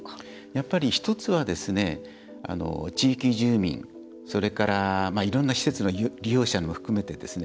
やっぱり１つは、地域住民それから、いろんな施設の利用者も含めてですね